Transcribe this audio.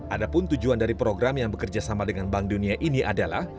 ada pun tujuan dari program yang bekerja sama dengan bank dunia ini adalah